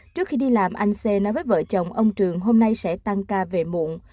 trước khi đi làm anh sê nói với vợ chồng ông trường hôm nay sẽ tăng ca về muộn